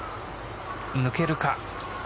抜けるか。